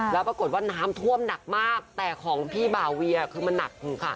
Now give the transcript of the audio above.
แล้วปรากฏว่าน้ำท่วมหนักมากแต่ของพี่บ่าเวียคือมันหนักค่ะ